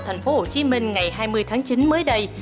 thành phố hồ chí minh ngày hai mươi tháng chín mới đây